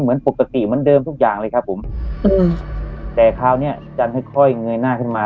เหมือนปกติเหมือนเดิมทุกอย่างเลยครับผมอืมแต่คราวเนี้ยจันค่อยค่อยเงยหน้าขึ้นมา